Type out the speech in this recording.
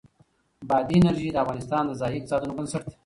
بادي انرژي د افغانستان د ځایي اقتصادونو بنسټ دی.